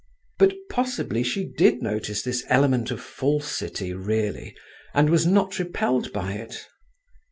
But possibly she did notice this element of falsity really and was not repelled by it.